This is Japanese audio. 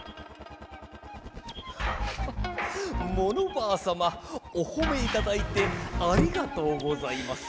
はぁっはモノバアさまおほめいただいてありがとうございます。